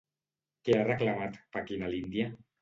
Què ha reclamat Pequín a l'Índia?